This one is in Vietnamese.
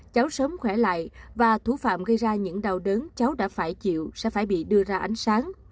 cháu sớm khỏe lại và thủ phạm gây ra những đau đớn cháu đã phải chịu sẽ phải bị đưa ra ánh sáng